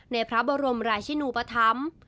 ในพระบรมราชินูปธรรม